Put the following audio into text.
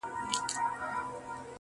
يوې انجلۍ په لوړ اواز كي راته ويــــل ه.